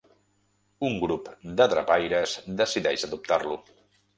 Un grup de drapaires decideix adoptar-lo.